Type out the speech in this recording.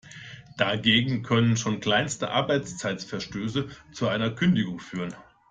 Dagegen können schon kleinste Arbeitszeitverstöße zu einer Kündigung führen.